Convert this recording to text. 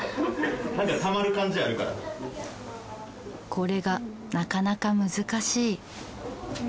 これがなかなか難しい。